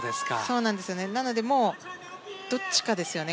なのでもうどっちかですよね。